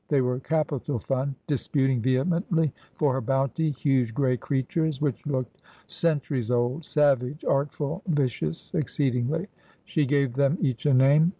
They were capital fun, disputing vehemently for her bounty, huge gray creatures which looked centuries old — savage, artful, vicious exceedingly. She gave them each a name.